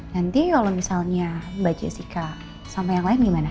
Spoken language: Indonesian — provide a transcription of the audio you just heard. nanti kalau misalnya mbak jessica sama yang lain gimana